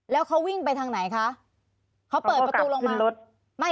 แล้วเขาวิ่งไปทางไหนคะเขาเปิดประตูลงมารถไม่